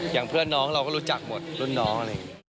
อย่างเพื่อนน้องเราก็รู้จักหมดรุ่นน้อง